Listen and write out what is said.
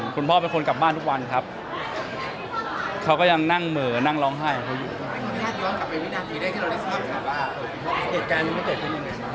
คุณพ่อเป็นคนกลับบ้านทุกวันครับเขาก็ยังนั่งเหม่อนั่งร้องไห้กับเขาอยู่